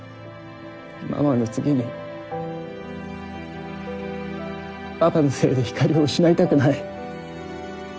ママの次にパパのせいでひかりを失いたくない。